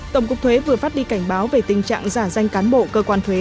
tổng cục thuế vừa phát đi cảnh báo về tình trạng giả danh cán bộ cơ quan thuế